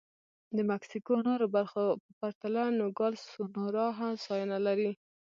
د مکسیکو نورو برخو په پرتله نوګالس سونورا هوساینه لري.